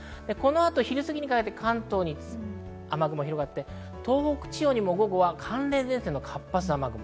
昼すぎにかけて関東に雨雲が広がり、東北地方にも午後は寒冷前線の活発な雨雲。